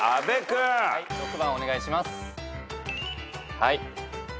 はい。